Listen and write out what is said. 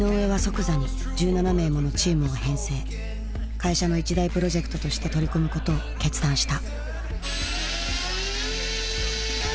会社の一大プロジェクトとして取り組むことを決断した。